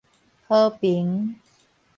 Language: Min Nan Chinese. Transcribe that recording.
和平